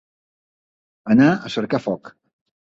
Anar a cercar foc.